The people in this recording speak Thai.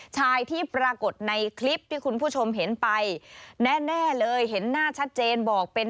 ชายที่ปรากฏในคลิปที่คุณผู้ชมเห็นไปแน่แน่เลยเห็นหน้าชัดเจนบอกเป็น